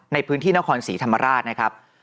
ในพื้นที่นครศรีธรรมราชนะครับ